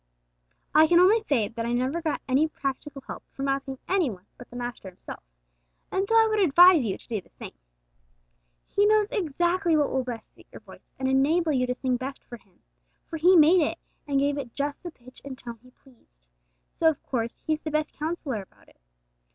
I can only say that I never got any practical help from asking any one but the Master Himself, and so I would advise you to do the same! He knows exactly what will best suit your voice and enable you to sing best for Him; for He made it, and gave it just the pitch and tone He pleased, so, of course, He is the best counsellor about it.